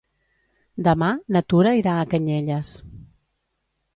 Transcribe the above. Demà na Tura irà a Canyelles.